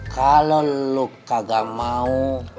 kalau lo kagak mau